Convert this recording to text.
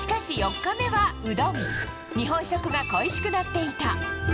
日本食が恋しくなっていた。